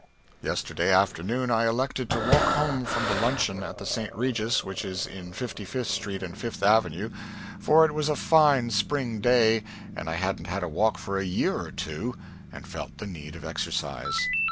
Yesterday afternoon I elected to walk home from the luncheon at the St. Regis, which is in 56th Street and Fifth Avenue, for it was a fine spring day and I hadn't had a walk for a year or two, and felt the need of exercise.